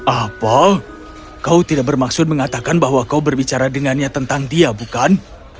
apa kau tidak bermaksud mengatakan bahwa kau berbicara dengannya tentang dia bukan